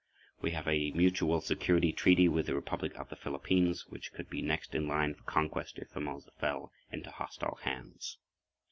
We have a mutual security treaty with the Republic of the Philippines, which could be next in line for conquest if Formosa fell into hostile hands.